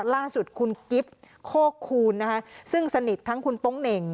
ล่าสุดคุณกิฟต์โคคูณนะคะซึ่งสนิททั้งคุณโป๊งเหน่ง